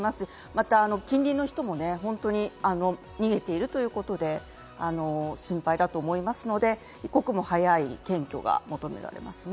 また、近隣の人も逃げているということで、心配だと思いますので、一刻も早い検挙が求められますね。